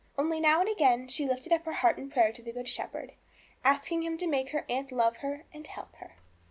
Only now and again she lifted up her heart in prayer to the Good Shepherd, asking Him to make her aunt love her and help her.